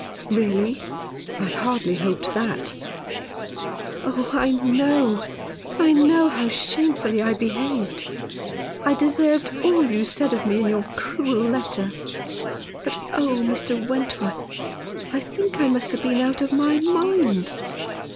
" Really ? I hardly hoped that." " Oh, I know, I know how shamefully I behaved. I deserved all you said of me in your cruel letter. But oh, Mr. Wentworth, I think I must have been out of my mind.